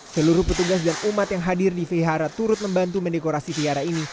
seluruh petugas dan umat yang hadir di vihara turut membantu mendekorasi vihara ini